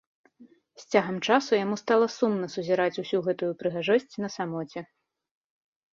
З цягам часу яму стала сумна сузіраць усю гэтую прыгажосць на самоце.